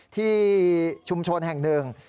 ที่ชุมชนแห่งหนึ่ง